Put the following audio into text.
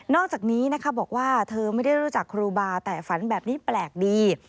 อกจากนี้นะคะบอกว่าเธอไม่ได้รู้จักครูบาแต่ฝันแบบนี้แปลกดี